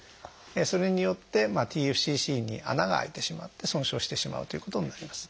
それによってＴＦＣＣに穴があいてしまって損傷してしまうということになります。